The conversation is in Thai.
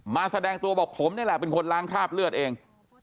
แสดงตัวบอกผมนี่แหละเป็นคนล้างคราบเลือดเอง